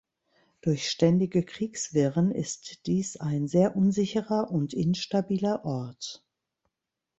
Durch ständige Kriegswirren ist dies ein sehr unsicherer und instabiler Ort.